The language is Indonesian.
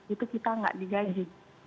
itu kita nggak digaji